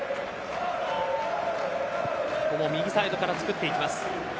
ここも右サイドからつくっていきます。